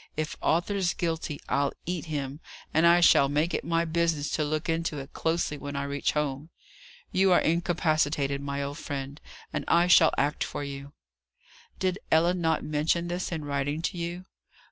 "If Arthur's guilty, I'll eat him; and I shall make it my business to look into it closely when I reach home. You are incapacitated, my old friend, and I shall act for you." "Did Ellen not mention this, in writing to you?"